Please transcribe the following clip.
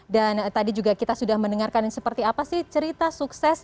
dan tadi juga kita sudah mendengarkan seperti apa sih cerita suksesnya